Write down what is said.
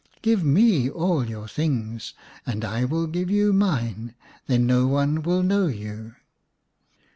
Give me all your things and I will give you mine, then no one will know you."